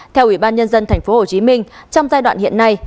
theo ủy ban nhân dân thành phố hồ chí minh trong giai đoạn hiện nay